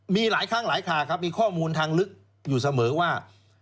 มีหลายครั้งหลายคาครับมีข้อมูลทางลึกอยู่เสมอว่า